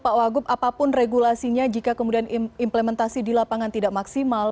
pak wagub apapun regulasinya jika kemudian implementasi di lapangan tidak maksimal